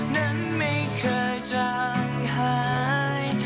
นั้นไม่เคยจางหาย